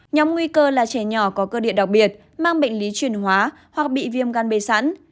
nhóm nguy cơ là trẻ nhỏ có cơ địa đặc biệt mang bệnh lý truyền hóa hoặc bị viêm gan b sẵn